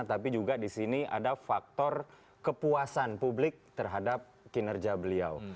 tapi juga di sini ada faktor kepuasan publik terhadap kinerja beliau